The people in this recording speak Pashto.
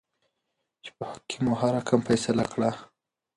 چې په حق کې مو هر رقم فيصله کړله.